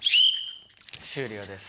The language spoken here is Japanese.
終了です。